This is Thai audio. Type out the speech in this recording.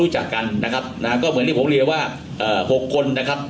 จากกันนะครับนะฮะก็เหมือนที่ผมเรียนว่าเอ่อหกคนนะครับ